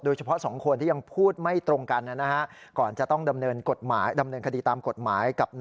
โดยเฉพาะ๒คนที่ยังพูดไม่ตรงกันนะฮะ